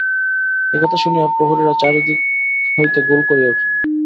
এই কথা শুনিয়া প্রহরীরা চারিদিক হইতে গোল করিয়া উঠিল।